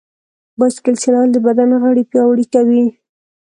بایسکل چلول د بدن غړي پیاوړي کوي.